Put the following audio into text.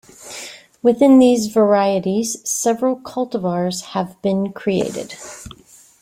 Within these varieties, several cultivars have been created.